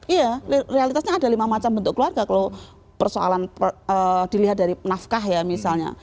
iya realitasnya ada lima macam bentuk keluarga kalau persoalan dilihat dari nafkah ya misalnya